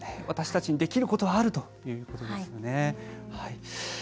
私たちにできることがあるということですよね。